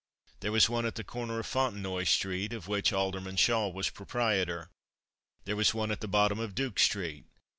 There was one at the corner of Fontenoy street, of which Alderman Shaw was proprietor. There was one at the bottom of Duke street.